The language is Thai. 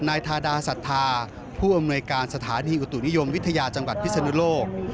นายทาดาสัทธาผู้อำนวยการสถานีอุตุนิยมวิทยาจังหวัดพิศนุโลก